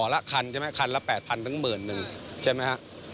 อ๋อแล้วคันใช่ไหมคันละ๘๐๐๐ถึงเหมือนหนึ่งใช่ไหมครับ